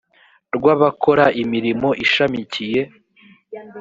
rw abakora imirimo ishamikiye